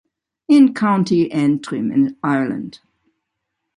In County Antrim in Ireland.